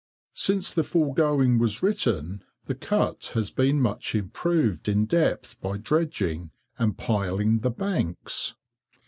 [Since the foregoing was written, the Cut has been much improved in depth by dredging, and piling the banks.